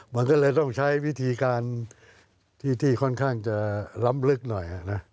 มันก็เลยต้องใช้วิธีการที่ค่อนข้างจะล้ำลึกหน่อยนะ